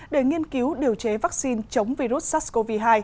để nghiên cứu điều chế vaccine chống virus sars cov hai